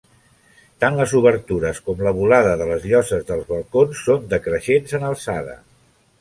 Tant les obertures com la volada de les lloses dels balcons són decreixents en alçada.